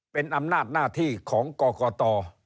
เป็นอำนาจหน้าที่ของกรกต